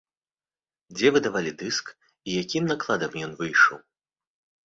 Дзе выдавалі дыск, і якім накладам ён выйшаў?